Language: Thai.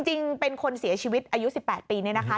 จริงเป็นคนเสียชีวิตอายุ๑๘ปีเนี่ยนะคะ